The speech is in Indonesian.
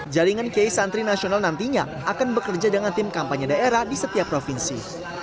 jaringan kiai santri nasional nantinya akan bekerja dengan tim kampanye daerah di setiap provinsi